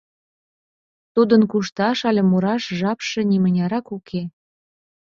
Тудын кушташ але мураш жапше нимынярак уке.